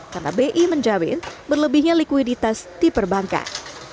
karena bi menjawab berlebihnya likuiditas di perbankan